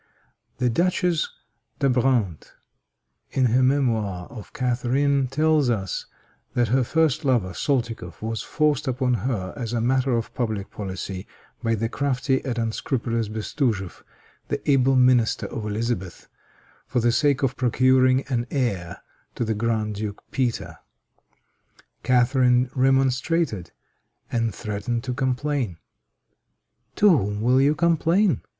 The Duchesse d'Abrantes, in her memoir of Catharine, tells us that her first lover, Soltikoff, was forced upon her as a matter of public policy by the crafty and unscrupulous Bestujeff, the able minister of Elizabeth, for the sake of procuring an heir to the Grand Duke Peter. Catharine remonstrated, and threatened to complain. "To whom will you complain?"